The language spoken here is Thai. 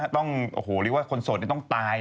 ต้องตาย